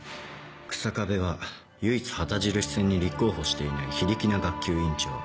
日下部は唯一旗印戦に立候補していない非力な学級委員長。